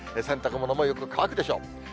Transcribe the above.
洗濯物もよく乾くでしょう。